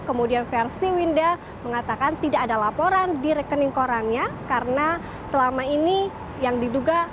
kemudian versi winda mengatakan tidak ada laporan di rekening korannya karena selama ini yang diduga